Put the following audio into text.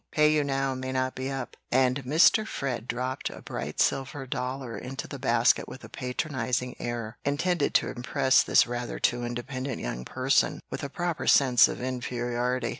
Pay you now, may not be up;" and Mr. Fred dropped a bright silver dollar into the basket with a patronizing air, intended to impress this rather too independent young person with a proper sense of inferiority.